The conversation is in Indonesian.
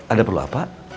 ada perlu apa